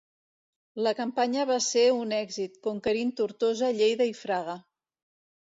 La campanya va ser un èxit, conquerint Tortosa, Lleida i Fraga.